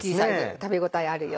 食べ応えあるように。